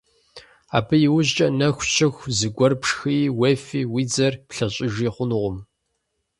Абы и ужькӀэ нэху щыху зыгуэр пшхыи, уефи, уи дзэр плъэщӀыжи хъунукъым.